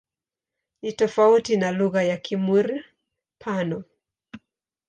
Ni tofauti na lugha ya Kimur-Pano.